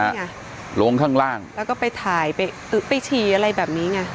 นี่ไงลงข้างล่างแล้วก็ไปถ่ายไปไปฉี่อะไรแบบนี้ไง